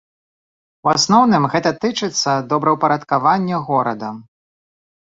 У асноўным гэта тычыцца добраўпарадкавання горада.